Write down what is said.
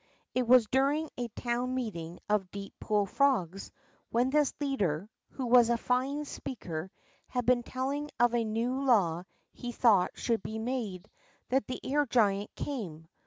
It Avas during a toAAUi meeting of Deep Pool frogs, AAdien this leader, 70 REJOICING AT THE MARSH n who was a fine speaker, had been telling of a new law he thonght should be made, that the air giant came.